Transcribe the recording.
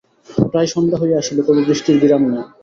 প্রায় সন্ধ্যা হইয়া আসিল, তবু বৃষ্টির বিরাম নাই।